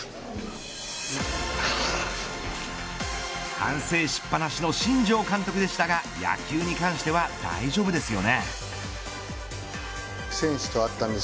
反省しっぱなしの新庄監督でしたが野球に関しては大丈夫ですよね。